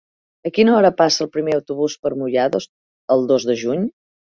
A quina hora passa el primer autobús per Moià el dos de juny?